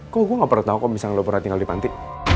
kok gue gak pernah tau kok bisa ngelopor hati hati di panti